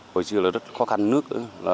hồi xưa là rất khó khăn nước